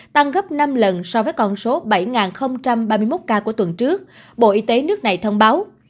tăng gấp năm lần so với con số bảy ba mươi một ca của tuần trước bộ y tế nước này thông báo